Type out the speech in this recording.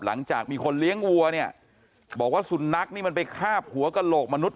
หลังจากมีคนเลี้ยงวัวเนี่ยบอกว่าสุนัขนี่มันไปคาบหัวกระโหลกมนุษย